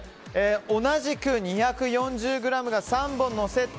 同じく２４０ｇが３本のセット。